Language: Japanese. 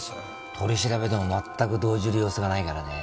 取り調べでも全く動じる様子がないからね。